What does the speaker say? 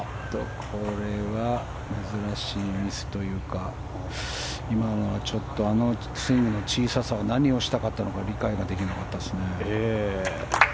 これは珍しいミスというか今のはちょっとあのスイングの小ささは何がしたかったのか理解ができなかったですね。